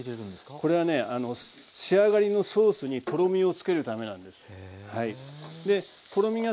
これはね仕上がりのソースにとろみをつけるためなんです。